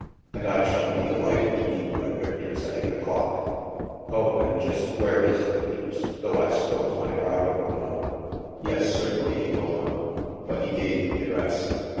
And I shall be de lighted to meet you at Victor's at eight o'clock. Oh, and just where is Victor's, though I suppose my driver will know." " Yes, certainly, he will know," but he gave the address.